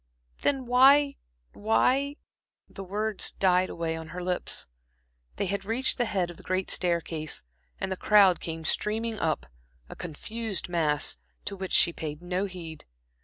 "Then why why" The words died away on her lips. They had reached the head of the great staircase, and the crowd came streaming up, a confused mass, to which she paid no heed.